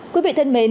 quý vị thân mến